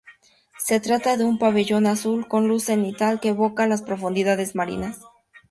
Se trata de un pabellón azul, con luz cenital que evoca las profundidades marinas.